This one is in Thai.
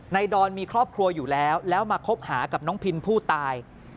ดอนมีครอบครัวอยู่แล้วแล้วมาคบหากับน้องพินผู้ตาย